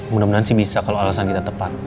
mudah mudahan sih bisa kalau alasan kita tepat